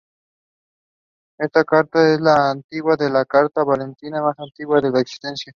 Esta carta es en la actualidad, la carta de Valentín más antigua en existencia.